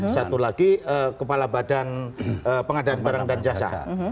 satu lagi kepala badan pengadaan barang dan jasa